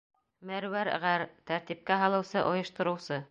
Мәрүәр ғәр. тәртипкә һалыусы, ойоштороусы;